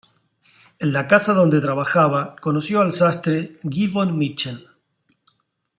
En la casa donde trabajaba, conoció al sastre Gibbon Mitchell.